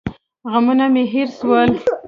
غمونه مې هېر سول.